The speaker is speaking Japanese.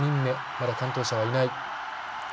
まだ完登者はいない。